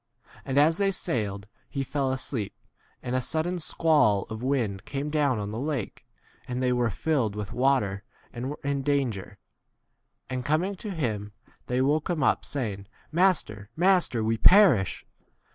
And as they sailed, he fell asleep, and a sudden squall of wind came down on the lake, and they were filled [with water], and 24 were in danger ; and coming to [him] they woke him up, Baying, Master, master, we perish.